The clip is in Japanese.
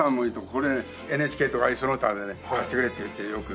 これねＮＨＫとかその他でね貸してくれって言ってよく。